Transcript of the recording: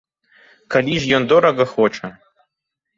Калі ж ён дорага хоча.